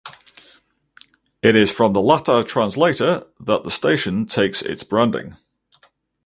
It is from the latter translator that the station takes its branding.